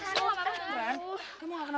aku anterin kamu langsung ke rumah sakit ya